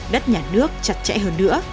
đất nhà nước chặt chẽ hơn nữa